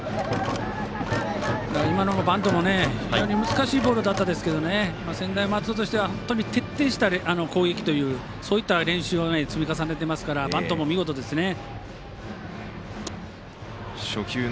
今のバントも難しいボールでしたけど専大松戸としては本当に徹底した攻撃というそういった練習を積み重ねていますからバントも見事ですね。